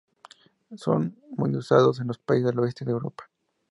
Son muy usados en los países del Este de Europa.